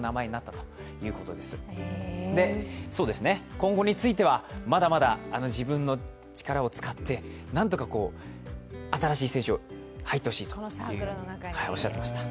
今後については、まだまだ自分の力を使って、なんとか新しい選手に入ってほしいとおっしゃってました。